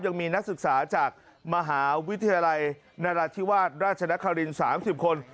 ยังมีนักศึกษาจากมหาวิทยาลัยนราธิวาสราชนคริน๓๐คน